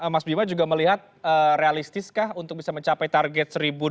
mas bima juga melihat realistiskah untuk bisa mencapai target rp satu